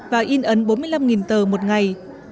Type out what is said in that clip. và in ấn bốn mươi năm tờ một ngày